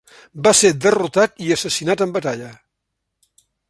Va ser derrotat i assassinat en batalla.